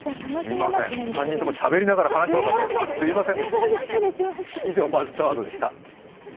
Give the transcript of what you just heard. ３人ともしゃべりながら話してしまってすいません。